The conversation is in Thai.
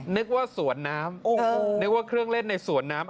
นึกว่าสวนน้ำนึกว่าเครื่องเล่นในสวนน้ำ